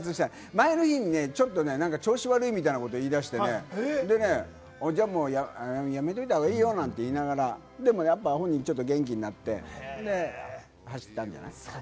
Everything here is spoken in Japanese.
前の日に調子悪いみたいなことを言い出してね、もうやめといた方がいいよなんて言いながら、でもやっぱ本人、ちょっと元気になって走ったじゃない。